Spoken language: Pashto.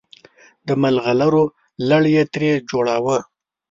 د ملغلرو لړ یې ترې جوړاوه.